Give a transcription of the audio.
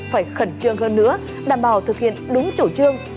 phải khẩn trương hơn nữa đảm bảo thực hiện đúng chủ trương